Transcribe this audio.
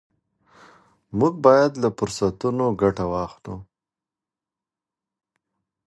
موږ باید له فرصتونو ګټه واخلو.